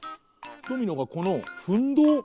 ドミノがこのふんどう？